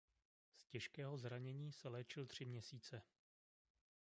S těžkého zranění se léčil tři měsíce.